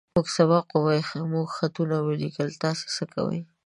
موږ سبق ووايه. موږ خط وليکو. تاسې څۀ کوئ؟